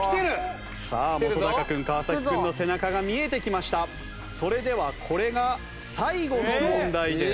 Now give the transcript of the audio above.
さあ本君川君の背中が見えてきそれではこれが最後の問題です。